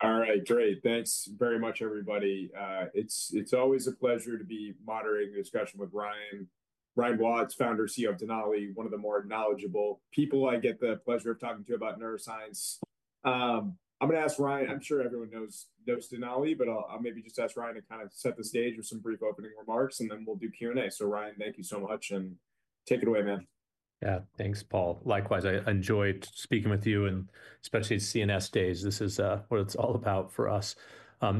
All right, great. Thanks very much, everybody. It's always a pleasure to be moderating the discussion with Ryan, Ryan Watts, founder and CEO of Denali, one of the more knowledgeable people I get the pleasure of talking to about neuroscience. I'm going to ask Ryan, I'm sure everyone knows Denali, but I'll maybe just ask Ryan to kind of set the stage with some brief opening remarks, and then we'll do Q&A. Ryan, thank you so much, and take it away, man. Yeah, thanks, Paul. Likewise, I enjoyed speaking with you, and especially at CNS days. This is what it's all about for us.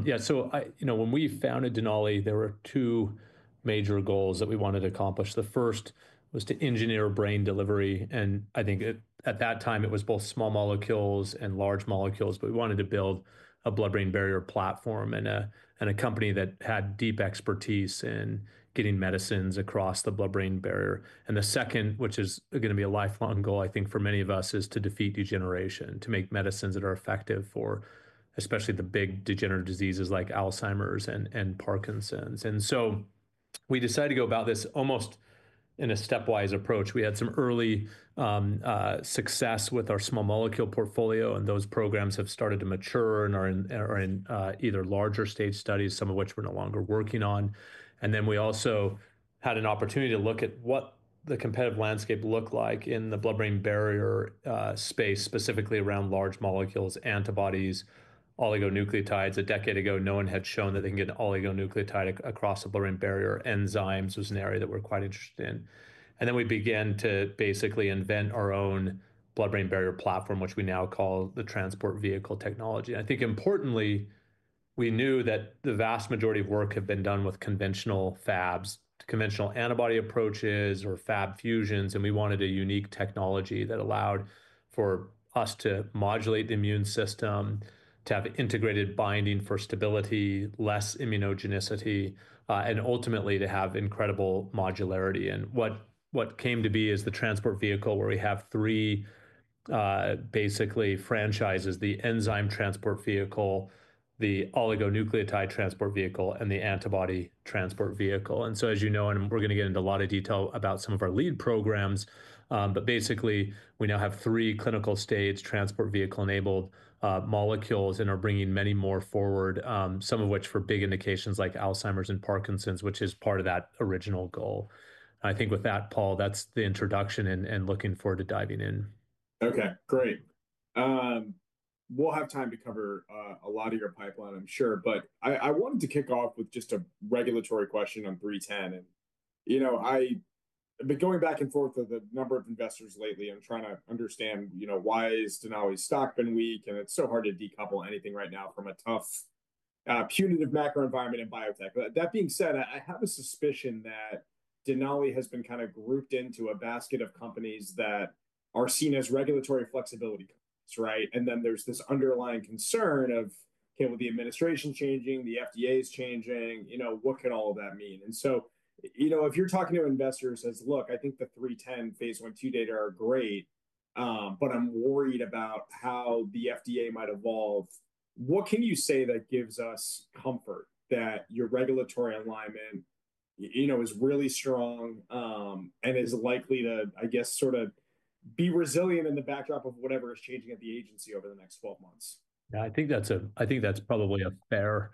Yeah, you know when we founded Denali, there were two major goals that we wanted to accomplish. The first was to engineer brain delivery, and I think at that time it was both small molecules and large molecules, but we wanted to build a blood-brain barrier platform and a company that had deep expertise in getting medicines across the blood-brain barrier. The second, which is going to be a lifelong goal, I think for many of us, is to defeat degeneration, to make medicines that are effective for especially the big degenerative diseases like Alzheimer's and Parkinson's. We decided to go about this almost in a stepwise approach. We had some early success with our small molecule portfolio, and those programs have started to mature and are in either larger stage studies, some of which we're no longer working on. We also had an opportunity to look at what the competitive landscape looked like in the blood-brain barrier space, specifically around large molecules, antibodies, oligonucleotides. A decade ago, no one had shown that they can get an oligonucleotide across the blood-brain barrier. Enzymes was an area that we're quite interested in. We began to basically invent our own blood-brain barrier platform, which we now call the transport vehicle technology. I think importantly, we knew that the vast majority of work had been done with conventional Fabs, conventional antibody approaches, or Fab fusions, and we wanted a unique technology that allowed for us to modulate the immune system, to have integrated binding for stability, less immunogenicity, and ultimately to have incredible modularity. What came to be is the transport vehicle where we have three basically franchises: the enzyme transport vehicle, the oligonucleotide transport vehicle, and the antibody transport vehicle. As you know, and we're going to get into a lot of detail about some of our lead programs, but basically we now have three clinical-stage, transport vehicle-enabled molecules, and are bringing many more forward, some of which for big indications like Alzheimer's and Parkinson's, which is part of that original goal. I think with that, Paul, that's the introduction and looking forward to diving in. Okay, great. We'll have time to cover a lot of your pipeline, I'm sure, but I wanted to kick off with just a regulatory question on 310. You know, I've been going back and forth with a number of investors lately. I'm trying to understand, you know, why is Denali's stock been weak? It's so hard to decouple anything right now from a tough, punitive macro environment in biotech. That being said, I have a suspicion that Denali has been kind of grouped into a basket of companies that are seen as regulatory flexibility companies, right? There's this underlying concern of, okay, the administration's changing, the FDA's changing, you know, what could all of that mean? You know, if you're talking to investors as, look, I think the 310 phase I/II data are great, but I'm worried about how the FDA might evolve. What can you say that gives us comfort that your regulatory alignment, you know, is really strong and is likely to, I guess, sort of be resilient in the backdrop of whatever is changing at the agency over the next 12 months? Yeah, I think that's a, I think that's probably a fair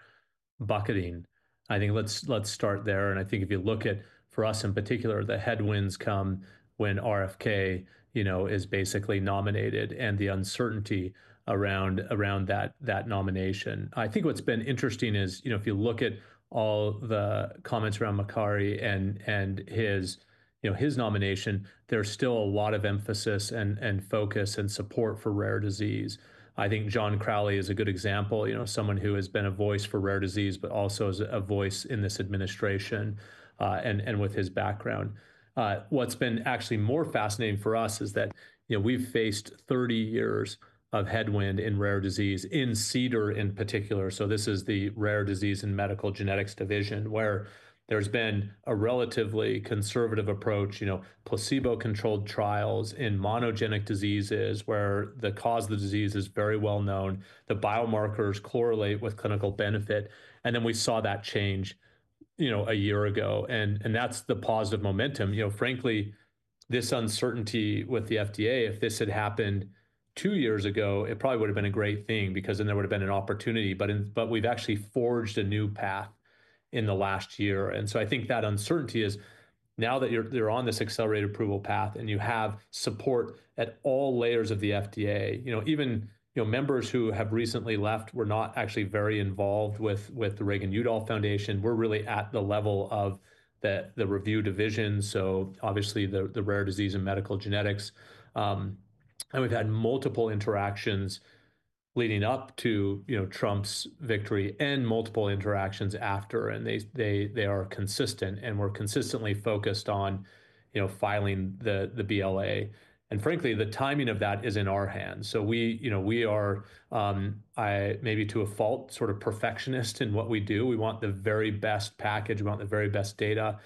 bucketing. I think let's start there. I think if you look at, for us in particular, the headwinds come when RFK, you know, is basically nominated and the uncertainty around that nomination. I think what's been interesting is, you know, if you look at all the comments around Makary and his, you know, his nomination, there's still a lot of emphasis and focus and support for rare disease. I think John Crowley is a good example, you know, someone who has been a voice for rare disease, but also is a voice in this administration and with his background. What's been actually more fascinating for us is that, you know, we've faced 30 years of headwind in rare disease in CDER in particular. This is the rare disease and medical genetics division where there's been a relatively conservative approach, you know, placebo-controlled trials in monogenic diseases where the cause of the disease is very well known, the biomarkers correlate with clinical benefit. You know, we saw that change, you know, a year ago. That's the positive momentum. You know, frankly, this uncertainty with the FDA, if this had happened two years ago, it probably would have been a great thing because then there would have been an opportunity. We've actually forged a new path in the last year. I think that uncertainty is now that you're on this accelerated approval path and you have support at all layers of the FDA, you know, even, you know, members who have recently left were not actually very involved with the Reagan-Udall Foundation. We're really at the level of the review division. Obviously the rare disease and medical genetics. We've had multiple interactions leading up to, you know, Trump's victory and multiple interactions after. They are consistent and we're consistently focused on, you know, filing the BLA. Frankly, the timing of that is in our hands. We, you know, we are maybe to a fault sort of perfectionists in what we do. We want the very best package. We want the very best data.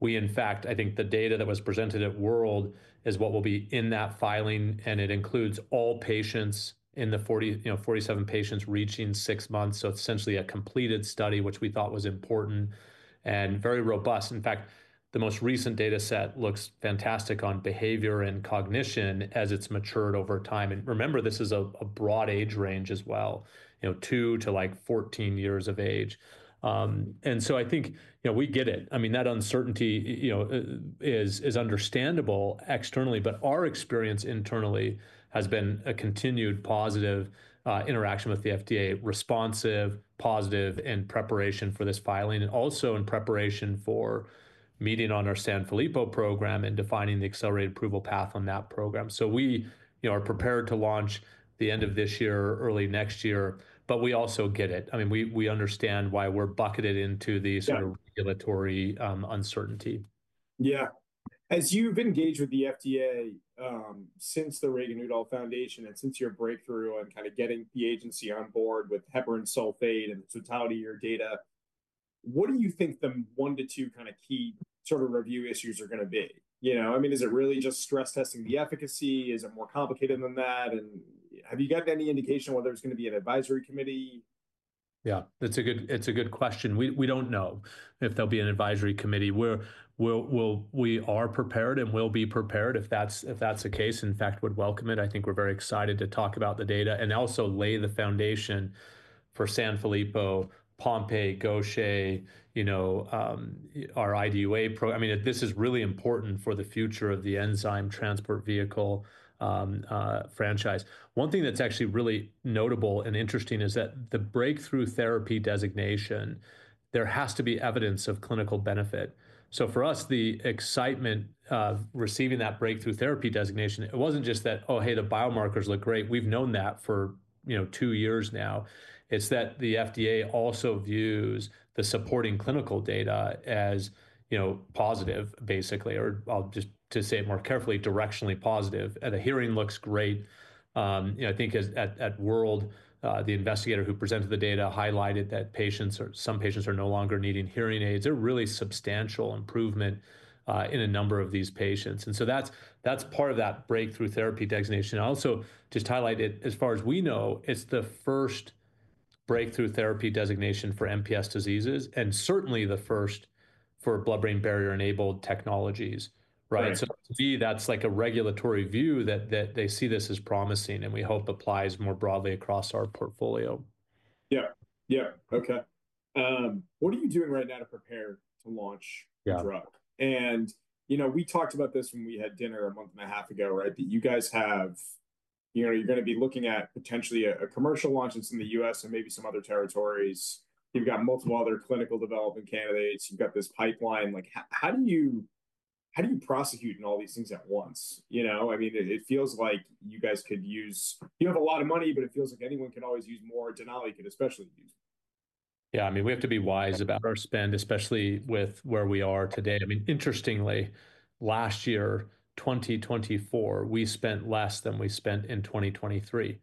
In fact, I think the data that was presented at World is what will be in that filing. It includes all patients in the 40, you know, 47 patients reaching six months. It's essentially a completed study, which we thought was important and very robust. In fact, the most recent data set looks fantastic on behavior and cognition as it's matured over time. Remember, this is a broad age range as well, you know, two to like 14 years of age. I think, you know, we get it. I mean, that uncertainty, you know, is understandable externally, but our experience internally has been a continued positive interaction with the FDA, responsive, positive, in preparation for this filing and also in preparation for meeting on our Sanfilippo program and defining the accelerated approval path on that program. We, you know, are prepared to launch the end of this year, early next year, but we also get it. I mean, we understand why we're bucketed into the sort of regulatory uncertainty. Yeah. As you've engaged with the FDA since the Reagan-Udall Foundation and since your breakthrough and kind of getting the agency on board with heparan sulfate and the totality of your data, what do you think the one to two kind of key sort of review issues are going to be? You know, I mean, is it really just stress testing the efficacy? Is it more complicated than that? And have you got any indication whether there's going to be an advisory committee? Yeah, it's a good question. We don't know if there'll be an advisory committee. We are prepared and we'll be prepared if that's the case. In fact, would welcome it. I think we're very excited to talk about the data and also lay the foundation for Sanfilippo, Pompe, Gaucher, you know, our IDUA program. I mean, this is really important for the future of the enzyme transport vehicle franchise. One thing that's actually really notable and interesting is that the breakthrough therapy designation, there has to be evidence of clinical benefit. So for us, the excitement receiving that breakthrough therapy designation, it wasn't just that, oh, hey, the biomarkers look great. We've known that for, you know, two years now. It's that the FDA also views the supporting clinical data as, you know, positive, basically, or I'll just say it more carefully, directionally positive. The hearing looks great. You know, I think at World, the investigator who presented the data highlighted that patients or some patients are no longer needing hearing aids. There are really substantial improvements in a number of these patients. That is part of that breakthrough therapy designation. I also just highlighted as far as we know, it is the first breakthrough therapy designation for MPS diseases and certainly the first for blood-brain barrier-enabled technologies, right? To me, that is like a regulatory view that they see this as promising and we hope applies more broadly across our portfolio. Yeah, yeah. Okay. What are you doing right now to prepare to launch the drug? And you know, we talked about this when we had dinner a month and a half ago, right? That you guys have, you know, you're going to be looking at potentially a commercial launch in some of the U.S. and maybe some other territories. You've got multiple other clinical development candidates. You've got this pipeline. Like how do you prosecute in all these things at once? You know, I mean, it feels like you guys could use, you have a lot of money, but it feels like anyone can always use more. Denali can especially use more. Yeah, I mean, we have to be wise about our spend, especially with where we are today. I mean, interestingly, last year, 2024, we spent less than we spent in 2023.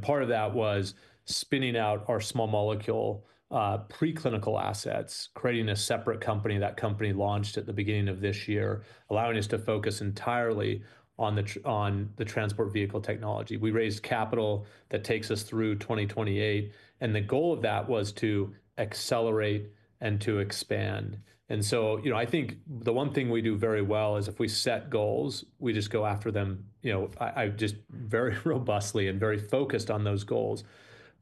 Part of that was spinning out our small molecule preclinical assets, creating a separate company. That company launched at the beginning of this year, allowing us to focus entirely on the transport vehicle technology. We raised capital that takes us through 2028. The goal of that was to accelerate and to expand. You know, I think the one thing we do very well is if we set goals, we just go after them, you know, just very robustly and very focused on those goals.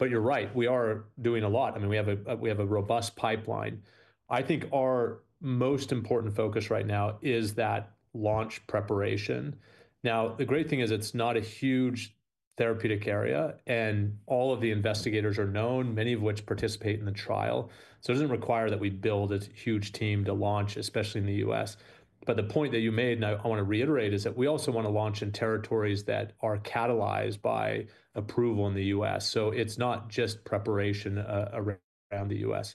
You're right, we are doing a lot. I mean, we have a robust pipeline. I think our most important focus right now is that launch preparation. Now, the great thing is it's not a huge therapeutic area and all of the investigators are known, many of which participate in the trial. It doesn't require that we build a huge team to launch, especially in the US. The point that you made, and I want to reiterate, is that we also want to launch in territories that are catalyzed by approval in the US. It's not just preparation around the US.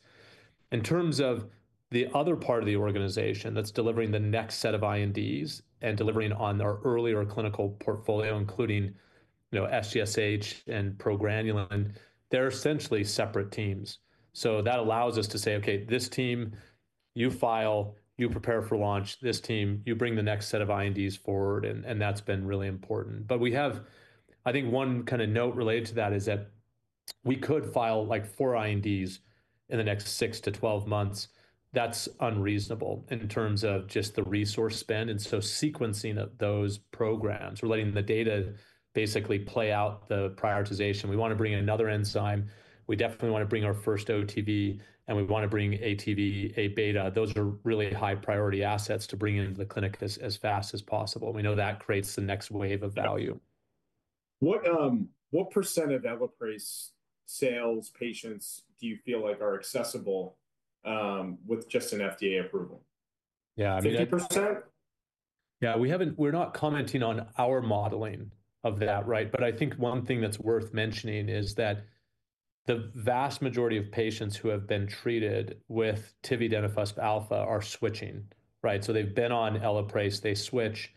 In terms of the other part of the organization that's delivering the next set of INDs and delivering on our earlier clinical portfolio, including, you know, SGSH and progranulin, they're essentially separate teams. That allows us to say, okay, this team, you file, you prepare for launch. This team, you bring the next set of INDs forward. That's been really important. We have, I think one kind of note related to that is that we could file like four INDs in the next six to twelve months. That is unreasonable in terms of just the resource spend. Sequencing those programs or letting the data basically play out the prioritization. We want to bring in another enzyme. We definitely want to bring our first OTV and we want to bring ETV, Abeta. Those are really high priority assets to bring into the clinic as fast as possible. We know that creates the next wave of value. What percent of Elaprase sales patients do you feel like are accessible with just an FDA approval? Yeah, I mean. 50%? Yeah, we haven't, we're not commenting on our modeling of that, right? I think one thing that's worth mentioning is that the vast majority of patients who have been treated with tividenofusp alfa are switching, right? They've been on Elaprase, they switch.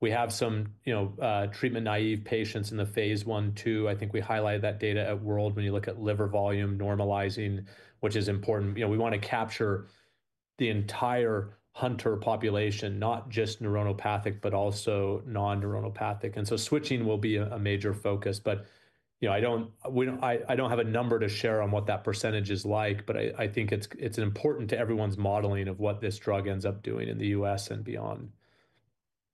We have some, you know, treatment naive patients in the phase I/II. I think we highlighted that data at World when you look at liver volume normalizing, which is important. You know, we want to capture the entire Hunter population, not just neuronopathic, but also non-neuronopathic. Switching will be a major focus. You know, I don't, I don't have a number to share on what that percentage is like, but I think it's important to everyone's modeling of what this drug ends up doing in the U.S. and beyond.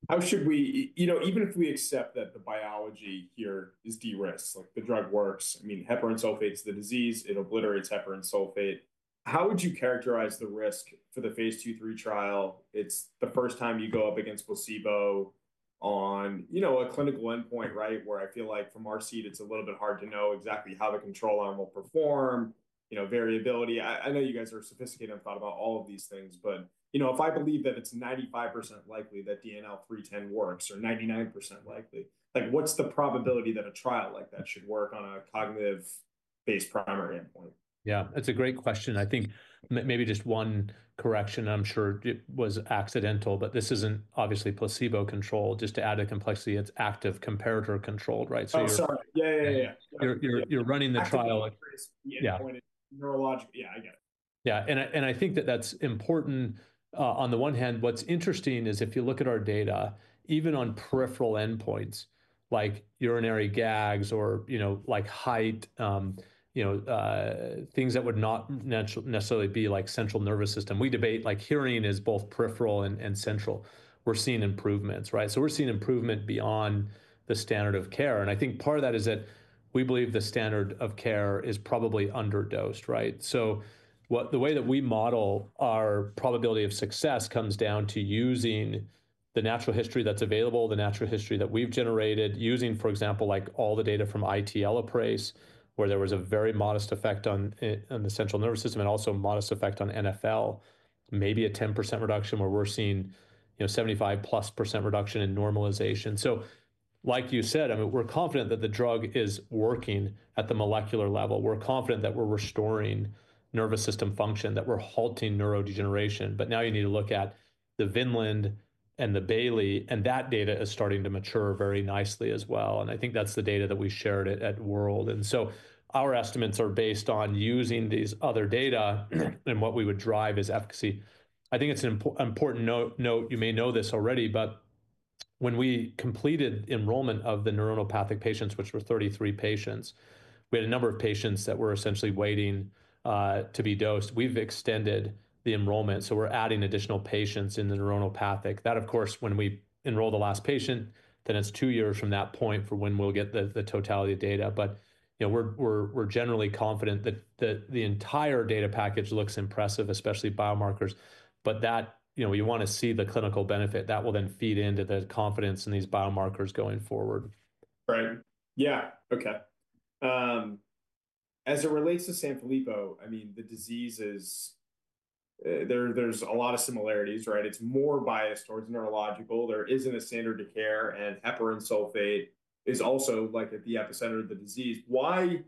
How should we, you know, even if we accept that the biology here is de-risked, like the drug works, I mean, heparan sulfate's the disease, it obliterates heparan sulfate. How would you characterize the risk for the phase two, three trial? It's the first time you go up against placebo on, you know, a clinical endpoint, right? Where I feel like from our seat, it's a little bit hard to know exactly how the control arm will perform, you know, variability. I know you guys are sophisticated and thought about all of these things, but you know, if I believe that it's 95% likely that DNL310 works or 99% likely, like what's the probability that a trial like that should work on a cognitive-based primary endpoint? Yeah, that's a great question. I think maybe just one correction, I'm sure it was accidental, but this isn't obviously placebo controlled. Just to add a complexity, it's active comparator controlled, right? Oh, sorry. Yeah, yeah, yeah. You're running the trial. Yeah. Yeah, I get it. Yeah. I think that that's important. On the one hand, what's interesting is if you look at our data, even on peripheral endpoints like urinary gags or, you know, like height, you know, things that would not necessarily be like central nervous system, we debate like hearing is both peripheral and central. We're seeing improvements, right? We're seeing improvement beyond the standard of care. I think part of that is that we believe the standard of care is probably underdosed, right? The way that we model our probability of success comes down to using the natural history that's available, the natural history that we've generated, using, for example, like all the data from IT Elaprase, where there was a very modest effect on the central nervous system and also modest effect on NFL, maybe a 10% reduction where we're seeing, you know, 75%+ reduction in normalization. Like you said, I mean, we're confident that the drug is working at the molecular level. We're confident that we're restoring nervous system function, that we're halting neurodegeneration. Now you need to look at the Vineland and the Bayley, and that data is starting to mature very nicely as well. I think that's the data that we shared at World. Our estimates are based on using these other data and what we would drive is efficacy. I think it's an important note. You may know this already, but when we completed enrollment of the neuronopathic patients, which were 33 patients, we had a number of patients that were essentially waiting to be dosed. We've extended the enrollment. So we're adding additional patients in the neuronopathic. That, of course, when we enroll the last patient, then it's two years from that point for when we'll get the totality of data. You know, we're generally confident that the entire data package looks impressive, especially biomarkers. You know, you want to see the clinical benefit that will then feed into the confidence in these biomarkers going forward. Right. Yeah. Okay. As it relates to Sanfilippo, I mean, the disease is, there's a lot of similarities, right? It's more biased towards neurological. There isn't a standard of care and heparan sulfate is also like at the epicenter of the disease. Why,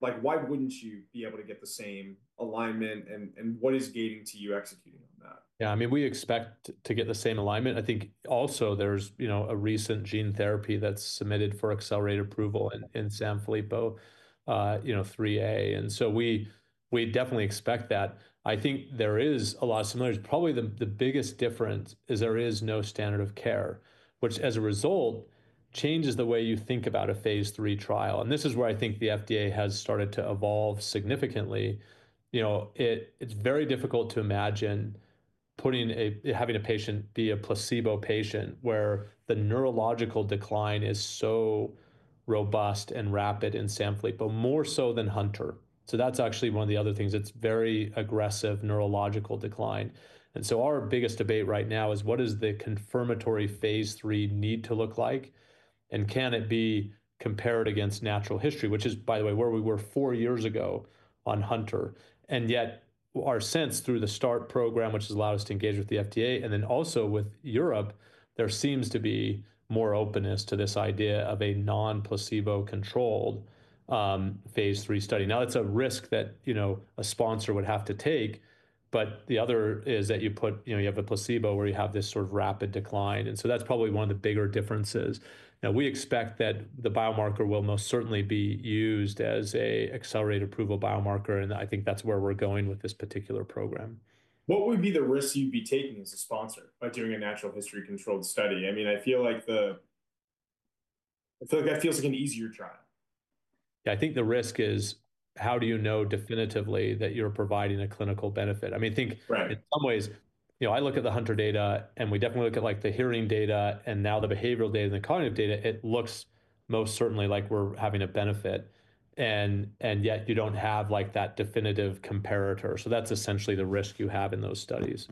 like why wouldn't you be able to get the same alignment and what is gating to you executing on that? Yeah, I mean, we expect to get the same alignment. I think also there's, you know, a recent gene therapy that's submitted for accelerated approval in Sanfilippo, you know, 3A. I think there is a lot of similarities. Probably the biggest difference is there is no standard of care, which as a result changes the way you think about a phase three trial. This is where I think the FDA has started to evolve significantly. You know, it's very difficult to imagine having a patient be a placebo patient where the neurological decline is so robust and rapid in Sanfilippo, more so than Hunter. That's actually one of the other things. It's very aggressive neurological decline. Our biggest debate right now is what does the confirmatory phase three need to look like? Can it be compared against natural history, which is, by the way, where we were four years ago on Hunter? Yet our sense through the START program, which has allowed us to engage with the FDA and also with Europe, is that there seems to be more openness to this idea of a non-placebo controlled phase three study. That is a risk that, you know, a sponsor would have to take. The other is that you have a placebo where you have this sort of rapid decline. That is probably one of the bigger differences. We expect that the biomarker will most certainly be used as an accelerated approval biomarker. I think that is where we are going with this particular program. What would be the risk you'd be taking as a sponsor by doing a natural history controlled study? I mean, I feel like that feels like an easier trial. Yeah, I think the risk is how do you know definitively that you're providing a clinical benefit? I mean, I think in some ways, you know, I look at the Hunter data and we definitely look at like the hearing data and now the behavioral data and the cognitive data, it looks most certainly like we're having a benefit. Yet you don't have like that definitive comparator. That's essentially the risk you have in those studies.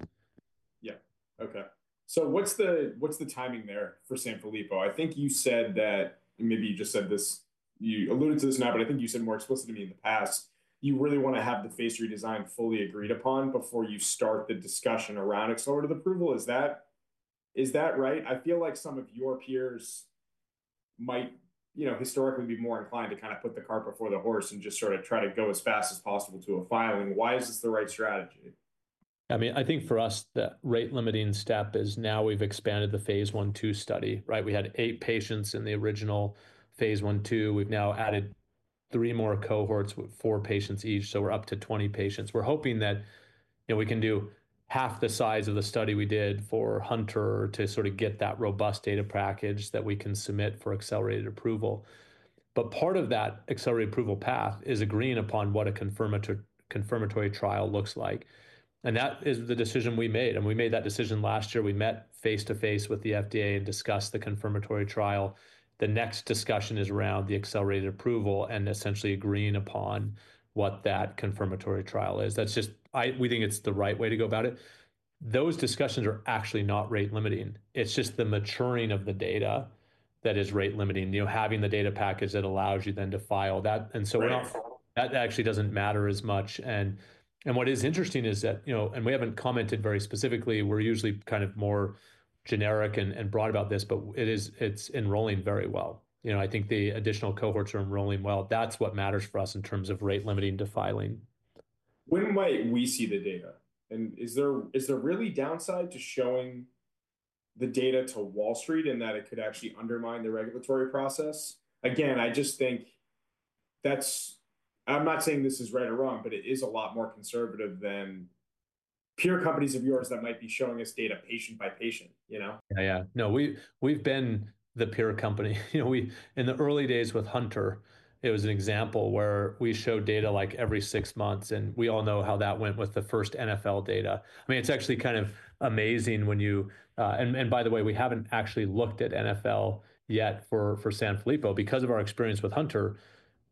Yeah. Okay. What is the timing there for Sanfilippo? I think you said that, and maybe you just said this, you alluded to this now, but I think you said more explicitly to me in the past, you really want to have the phase three design fully agreed upon before you start the discussion around accelerated approval. Is that right? I feel like some of your peers might, you know, historically be more inclined to kind of put the cart before the horse and just sort of try to go as fast as possible to a filing. Why is this the right strategy? I mean, I think for us the rate limiting step is now we've expanded the phase I/II study, right? We had eight patients in the original phase one, two. We've now added three more cohorts with four patients each. So we're up to 20 patients. We're hoping that, you know, we can do half the size of the study we did for Hunter to sort of get that robust data package that we can submit for accelerated approval. Part of that accelerated approval path is agreeing upon what a confirmatory trial looks like. That is the decision we made. We made that decision last year. We met face to face with the FDA and discussed the confirmatory trial. The next discussion is around the accelerated approval and essentially agreeing upon what that confirmatory trial is. That's just, we think it's the right way to go about it. Those discussions are actually not rate limiting. It's just the maturing of the data that is rate limiting. You know, having the data package that allows you then to file that. You know, that actually doesn't matter as much. What is interesting is that, you know, and we haven't commented very specifically, we're usually kind of more generic and broad about this, but it is, it's enrolling very well. You know, I think the additional cohorts are enrolling well. That's what matters for us in terms of rate limiting to filing. When might we see the data? Is there really downside to showing the data to Wall Street in that it could actually undermine the regulatory process? Again, I just think that's, I'm not saying this is right or wrong, but it is a lot more conservative than peer companies of yours that might be showing us data patient by patient, you know? Yeah, yeah. No, we've been the peer company. You know, we, in the early days with Hunter, it was an example where we showed data like every six months and we all know how that went with the first NFL data. I mean, it's actually kind of amazing when you, and by the way, we haven't actually looked at NFL yet for Sanfilippo because of our experience with Hunter.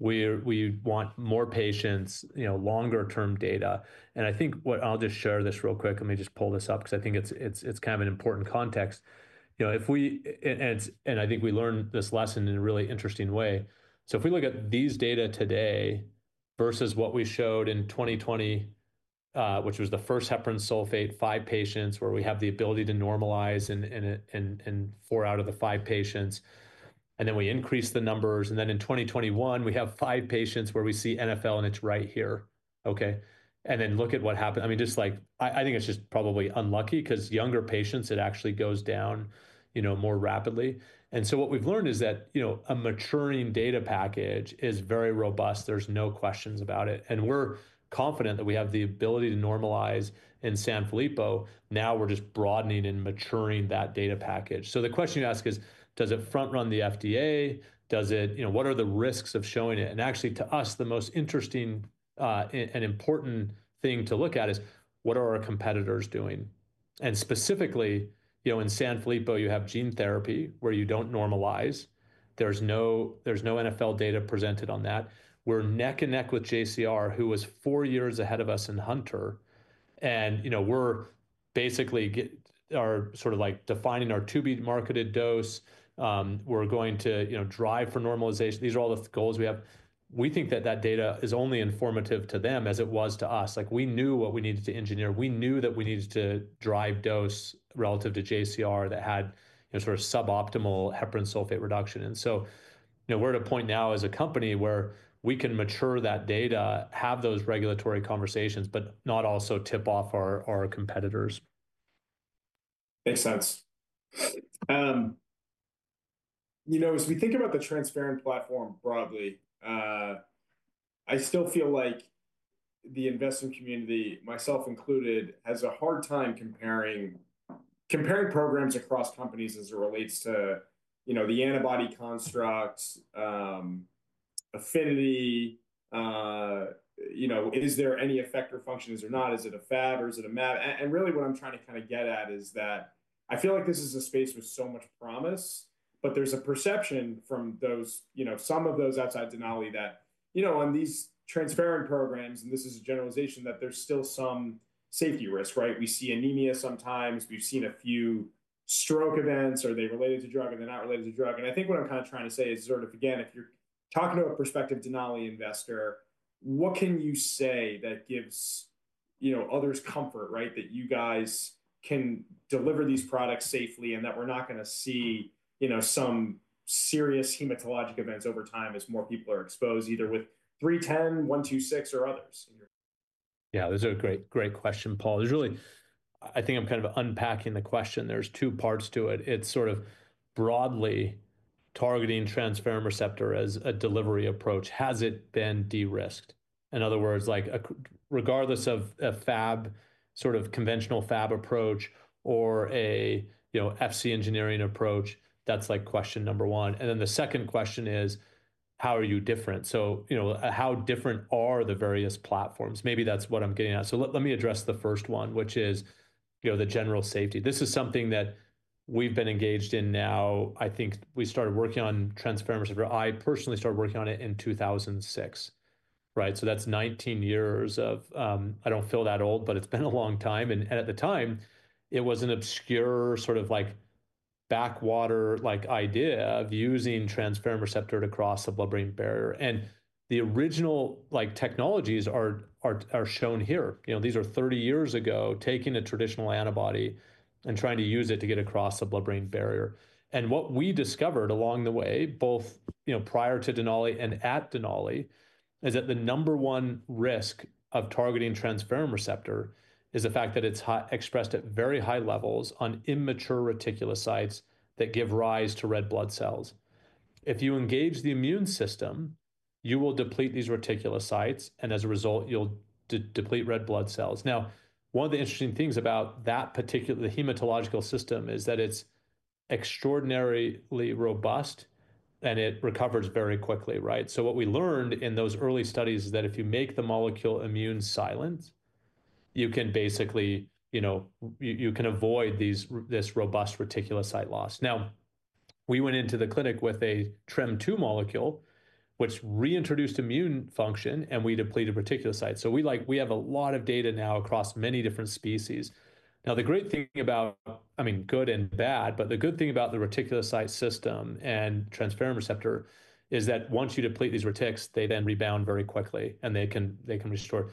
We want more patients, you know, longer term data. I think what, I'll just share this real quick. Let me just pull this up because I think it's kind of an important context. You know, if we, and I think we learned this lesson in a really interesting way. If we look at these data today versus what we showed in 2020, which was the first heparan sulfate, five patients where we have the ability to normalize in four out of the five patients. We increase the numbers. In 2021, we have five patients where we see NFL and it's right here. Okay. Look at what happened. I mean, just like, I think it's just probably unlucky because younger patients, it actually goes down, you know, more rapidly. What we've learned is that, you know, a maturing data package is very robust. There's no questions about it. We're confident that we have the ability to normalize in Sanfilippo. Now we're just broadening and maturing that data package. The question you ask is, does it front run the FDA? Does it, you know, what are the risks of showing it? Actually to us, the most interesting and important thing to look at is what are our competitors doing? Specifically, you know, in Sanfilippo, you have gene therapy where you do not normalize. There is no NFL data presented on that. We are neck and neck with JCR, who was four years ahead of us in Hunter. You know, we are basically sort of like defining our to-be-marketed dose. We are going to, you know, drive for normalization. These are all the goals we have. We think that that data is only informative to them as it was to us. Like we knew what we needed to engineer. We knew that we needed to drive dose relative to JCR that had, you know, sort of suboptimal heparan sulfate reduction. You know, we're at a point now as a company where we can mature that data, have those regulatory conversations, but not also tip off our competitors. Makes sense. You know, as we think about the transport platform broadly, I still feel like the investment community, myself included, has a hard time comparing programs across companies as it relates to, you know, the antibody construct, affinity, you know, is there any effect or function? Is there not? Is it a Fab or is it a mAb? Really what I'm trying to kind of get at is that I feel like this is a space with so much promise, but there's a perception from those, you know, some of those outside Denali that, you know, on these transport programs, and this is a generalization, that there's still some safety risk, right? We see anemia sometimes. We've seen a few stroke events. Are they related to drug? Are they not related to drug? I think what I'm kind of trying to say is sort of, again, if you're talking to a prospective Denali investor, what can you say that gives, you know, others comfort, right? That you guys can deliver these products safely and that we're not going to see, you know, some serious hematologic events over time as more people are exposed either with 310, 126, or others. Yeah, those are great, great questions, Paul. There's really, I think I'm kind of unpacking the question. There's two parts to it. It's sort of broadly targeting transferrin receptor as a delivery approach. Has it been de-risked? In other words, like regardless of a Fab, sort of conventional Fab approach or a, you know, Fc engineering approach, that's like question number one. The second question is, how are you different? So, you know, how different are the various platforms? Maybe that's what I'm getting at. Let me address the first one, which is, you know, the general safety. This is something that we've been engaged in now. I think we started working on transferrin receptor. I personally started working on it in 2006, right? So that's 19 years of, I don't feel that old, but it's been a long time. At the time, it was an obscure sort of like backwater idea of using transferrin receptor to cross the blood-brain barrier. The original like technologies are shown here. You know, these are 30 years ago taking a traditional antibody and trying to use it to get across the blood-brain barrier. What we discovered along the way, both, you know, prior to Denali and at Denali, is that the number one risk of targeting transferrin receptor is the fact that it's expressed at very high levels on immature reticulocytes that give rise to red blood cells. If you engage the immune system, you will deplete these reticulocytes and as a result, you'll deplete red blood cells. Now, one of the interesting things about that particular hematological system is that it's extraordinarily robust and it recovers very quickly, right? What we learned in those early studies is that if you make the molecule immune silent, you can basically, you know, you can avoid this robust reticulocyte loss. Now, we went into the clinic with a TREM2 molecule, which reintroduced immune function and we depleted reticulocytes. So, like, we have a lot of data now across many different species. The great thing about, I mean, good and bad, but the good thing about the reticulocyte system and transferrin receptor is that once you deplete these [reticks], they then rebound very quickly and they can restore.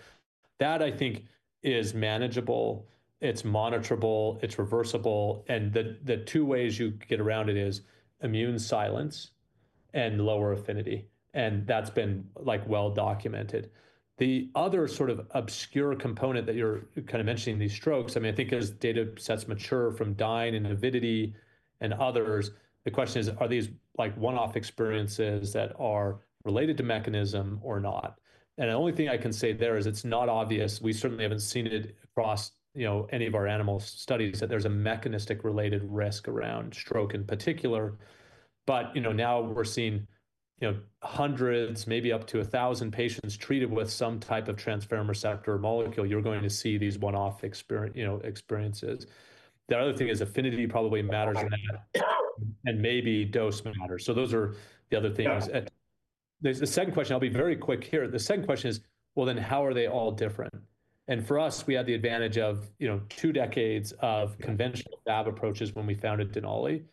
That, I think, is manageable. It's monitorable. It's reversible. The two ways you get around it are immune silence and lower affinity. That's been, like, well documented. The other sort of obscure component that you're kind of mentioning, these strokes, I mean, I think as data sets mature from [Dayn] and Avidity and others, the question is, are these like one-off experiences that are related to mechanism or not? The only thing I can say there is it's not obvious. We certainly haven't seen it across, you know, any of our animal studies that there's a mechanistic-related risk around stroke in particular. You know, now we're seeing, you know, hundreds, maybe up to 1,000 patients treated with some type of transferrin receptor molecule. You're going to see these one-off experiences. The other thing is affinity probably matters in that and maybe dose matters. Those are the other things. The second question, I'll be very quick here. The second question is, well, then how are they all different? For us, we had the advantage of, you know, two decades of conventional fab approaches when we founded Denali.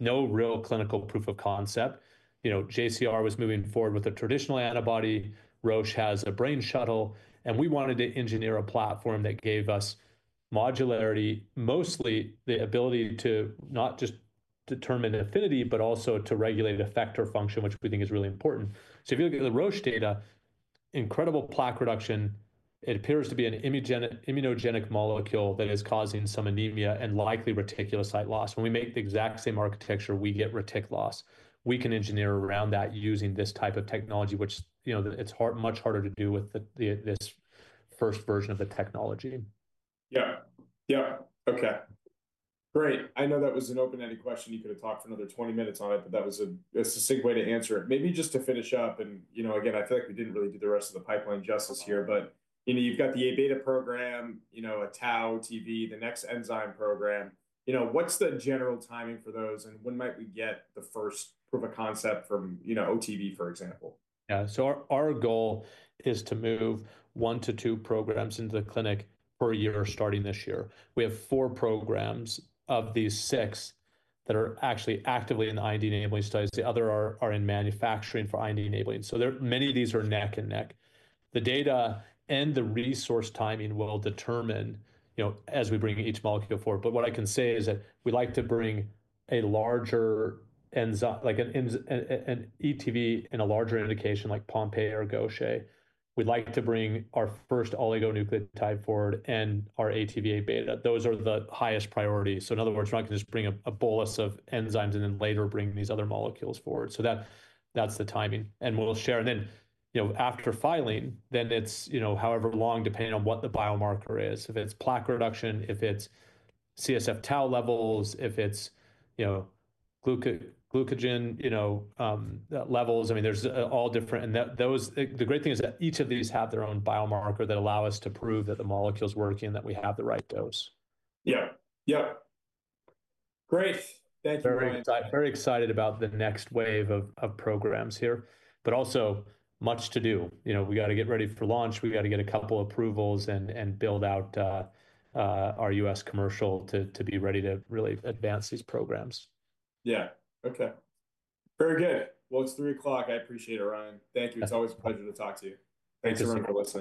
No real clinical proof of concept. You know, JCR was moving forward with a traditional antibody. Roche has a brain shuttle. We wanted to engineer a platform that gave us modularity, mostly the ability to not just determine affinity, but also to regulate effector function, which we think is really important. If you look at the Roche data, incredible plaque reduction. It appears to be an immunogenic molecule that is causing some anemia and likely reticulocyte loss. When we make the exact same architecture, we get retic loss. We can engineer around that using this type of technology, which, you know, it's much harder to do with this first version of the technology. Yeah. Yeah. Okay. Great. I know that was an open-ended question. You could have talked for another 20 minutes on it, but that was a succinct way to answer it. Maybe just to finish up and, you know, again, I feel like we didn't really do the rest of the pipeline justice here, but, you know, you've got the Abeta program, you know, a tau, TB, the next enzyme program. You know, what's the general timing for those? And when might we get the first proof of concept from, you know, OTV, for example? Yeah. Our goal is to move one to two programs into the clinic per year starting this year. We have four programs of these six that are actually actively in the IND enabling studies. The others are in manufacturing for IND enabling. Many of these are neck and neck. The data and the resource timing will determine, you know, as we bring each molecule forward. What I can say is that we like to bring a larger enzyme, like an ETV in a larger indication like Pompe or Gaucher. We'd like to bring our first oligonucleotide forward and our ATV Abeta. Those are the highest priority. In other words, we're not going to just bring a bolus of enzymes and then later bring these other molecules forward. That's the timing. We'll share. You know, after filing, then it's, you know, however long depending on what the biomarker is. If it's plaque reduction, if it's CSF tau levels, if it's, you know, glucogen, you know, levels. I mean, there's all different. And those, the great thing is that each of these have their own biomarker that allow us to prove that the molecule's working and that we have the right dose. Yeah. Yep. Great. Thank you very much. Very excited about the next wave of programs here, but also much to do. You know, we got to get ready for launch. We got to get a couple of approvals and build out our U.S. commercial to be ready to really advance these programs. Yeah. Okay. Very good. It is three o'clock. I appreciate it, Ryan. Thank you. It is always a pleasure to talk to you. Thanks, everyone. Thanks for.